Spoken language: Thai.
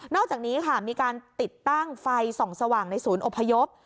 อกจากนี้ค่ะมีการติดตั้งไฟส่องสว่างในศูนย์อพยพ